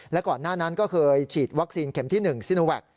และก่อนหน้านั้นก็เคยฉีดวัคซีนเข็มที่๑ซิโนแวค